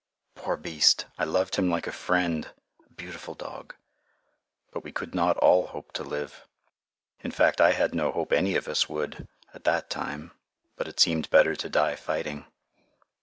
Poor beast! I loved him like a friend, a beautiful dog, but we could not all hope to live. In fact, I had no hope any of us would, at that time, but it seemed better to die fighting.